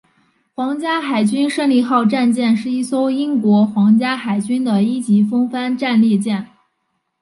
皇家海军胜利号战舰是一艘英国皇家海军的一级风帆战列舰。